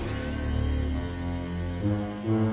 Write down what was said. うん。